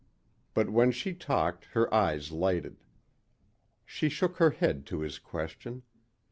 But when she talked her eyes lighted. She shook her head to his question.